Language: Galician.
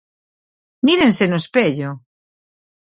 ¡Mírense no espello!